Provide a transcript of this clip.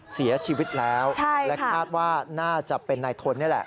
เสียชีวิตแล้วและคาดว่าน่าจะเป็นนายทนนี่แหละ